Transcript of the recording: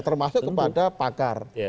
termasuk kepada pakar